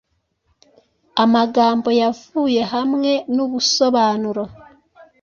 Amagambo yavuye hamwe nubusobanuro